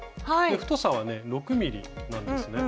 太さはね６．０ｍｍなんですね。